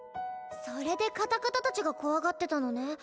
それでカタカタたちが怖がってたのね。